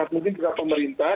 mungkin juga pemerintah